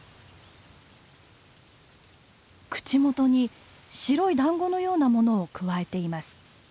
口元に白い団子のようなものをくわえています。